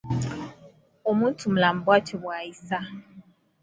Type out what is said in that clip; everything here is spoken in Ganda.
Omuntumulamu bwatyo bw’ayisa.